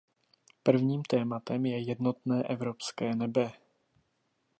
Prvním tématem je jednotné evropské nebe.